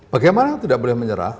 bagaimana tidak boleh menyerah